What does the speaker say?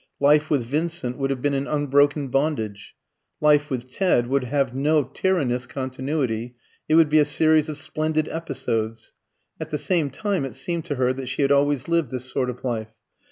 Life with Vincent would have been an unbroken bondage. Life with Ted would have no tyrannous continuity; it would be a series of splendid episodes. At the same time, it seemed to her that she had always lived this sort of life.